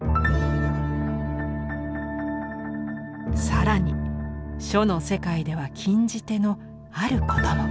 更に書の世界では禁じ手のあることも。